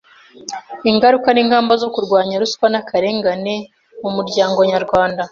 ingaruka n’ingamba zo kurwanya ruswa n’akarengane mu muryango nyarwanda